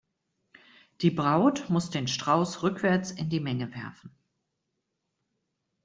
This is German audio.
Die Braut muss den Strauß rückwärts in die Menge werfen.